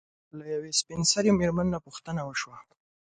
له يوې سپين سري مېرمنې نه پوښتنه وشوه